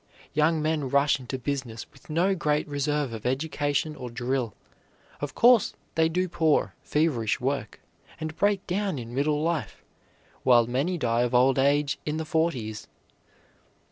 Young men rush into business with no great reserve of education or drill; of course, they do poor, feverish work, and break down in middle life, while many die of old age in the forties.